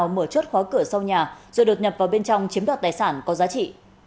mở chốt khóa cửa sau nhà rồi đột nhập vào bên trong chiếm đoạt tài sản có giá trị